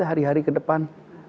hari hari ke depan